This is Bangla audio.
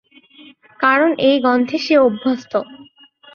কারণ এই গন্ধে সে অভ্যস্ত।